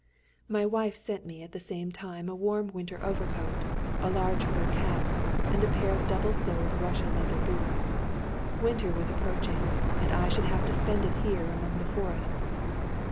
My wife sent me at the same time a warm winter overcoat, a large fur cap, and a pair of double soled Russia leather boots. Winter was approaching, and I should have to spend it here among the forests.